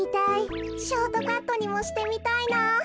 ショートカットにもしてみたいな。